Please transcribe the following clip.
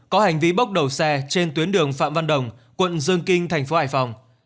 có hành vi bốc đầu xe trên tuyến đường phạm văn đồng quận dương kinh tp hải phòng